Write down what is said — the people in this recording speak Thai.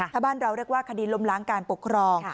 ถ้าบ้านเราเรียกว่าคดีล้มล้างการปกครอง